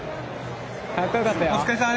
かっこよかったよ！